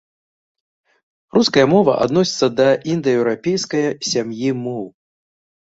Руская мова адносіцца да індаеўрапейскае сям'і моў.